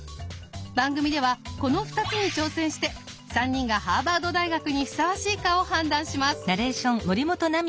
番組ではこの２つに挑戦して３人がハーバード大学にふさわしいかを判断します。